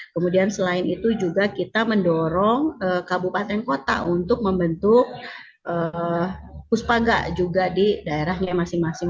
kemudian selain itu juga kita mendorong kabupaten kota untuk membentuk puspaga juga di daerahnya masing masing